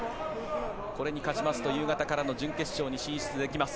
これに勝ちますと夕方からの準決勝に進出できます。